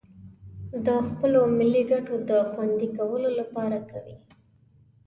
د خپلو ملي گټو د خوندي کولو لپاره کوي